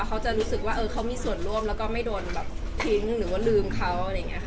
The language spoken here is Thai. เขาจะรู้สึกมีส่วนร่วมและไม่โดนแทนพิกัดหรือลืมเขา